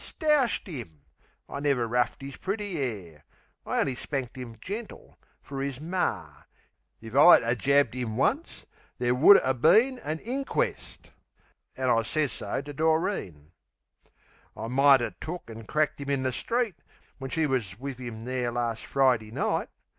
Stoushed 'im! I never roughed 'is pretty 'air! I only spanked 'im gentle, fer 'is mar. If I'd 'a' jabbed 'im once, there would 'a' been An inquest; an' I sez so to Doreen. I mighter took an' cracked 'im in the street, When she was wiv 'im there lars' Fridee night.